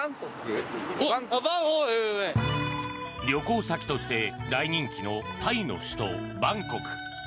旅行先として大人気のタイの首都バンコク。